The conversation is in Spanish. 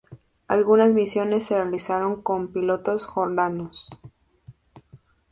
Algunas misiones se realizaron con pilotos jordanos.